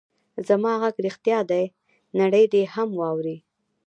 زما غږ رښتیا دی؛ نړۍ دې هم واوري.